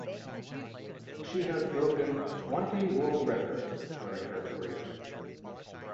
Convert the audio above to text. She has broken twenty world records during her career.